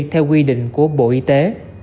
theo quy định của bộ y tế